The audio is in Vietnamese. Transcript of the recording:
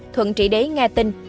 thuận trị đế nghe tin